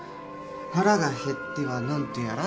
腹が減っては何とやら。